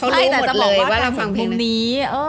เขารู้หมดเลยว่าเราฟังเพลงนี้